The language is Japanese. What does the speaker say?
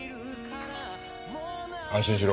安心しろ。